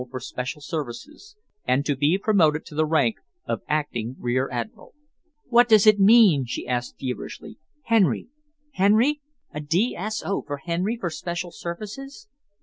for special services, and to be promoted to the rank of Acting Rear Admiral. "What does it mean?" she asked feverishly. "Henry? A D.S.O. for Henry for special services?"